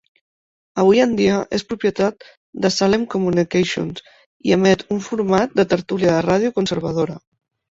Avui en dia, és propietat de Salem Communications i emet un format de tertúlia de ràdio conservadora.